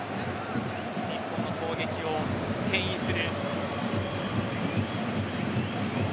日本の攻撃をけん引する。